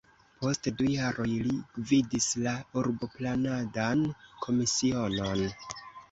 Post du jaroj li gvidis la urboplanadan komisionon.